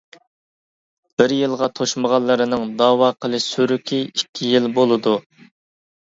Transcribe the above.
بىر يىلغا توشمىغانلىرىنىڭ دەۋا قىلىش سۈرۈكى ئىككى يىل بولىدۇ.